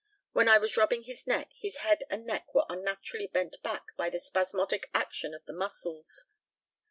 When I was rubbing his neck, his head and neck were unnaturally bent back by the spasmodic action of the muscles.